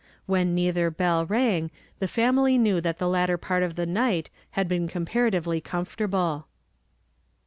When neither bell rang, the fanuly knew that the latter part of the night had been comparatively comfortable.